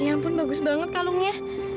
ya ampun bagus banget kalungnya